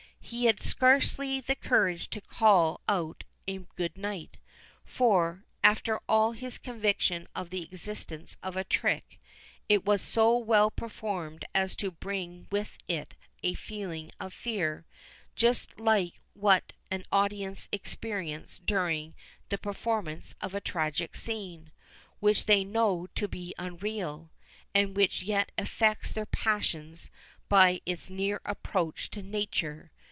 He had scarcely the courage to call out a "good night;" for, after all his conviction of the existence of a trick, it was so well performed as to bring with it a feeling of fear, just like what an audience experience during the performance of a tragic scene, which they know to be unreal, and which yet affects their passions by its near approach to nature.